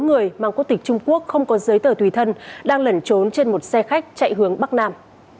sáu người mang quốc tịch trung quốc không có giấy tờ tùy thân đang lẩn trốn trên một xe khách chạy hướng bắc nam